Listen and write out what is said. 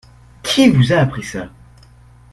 Qui vous a appris ça ?